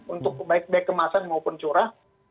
untuk baik baik kemasan maupun curah